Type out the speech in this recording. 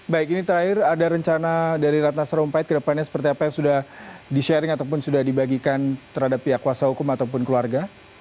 baik ini terakhir ada rencana dari ratna sarumpait ke depannya seperti apa yang sudah di sharing ataupun sudah dibagikan terhadap pihak kuasa hukum ataupun keluarga